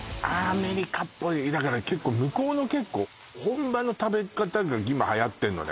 アメリカっぽいだから結構向こうの本場の食べ方が今はやってんのね